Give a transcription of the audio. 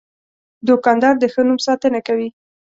دوکاندار د ښه نوم ساتنه کوي.